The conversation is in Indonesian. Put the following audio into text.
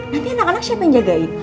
nanti anak anak siapa yang jagain